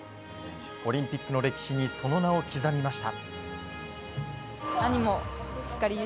オリンピックの歴史にその名を刻みました。